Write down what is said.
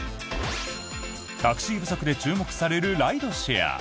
タクシー不足で注目されるライドシェア。